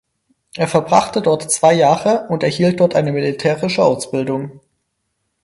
Er verbrachte dort zwei Jahre und erhielt dort eine militärische Ausbildung.